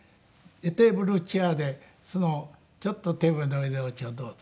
テーブルチェアでちょっとテーブルの上でお茶をどうぞ。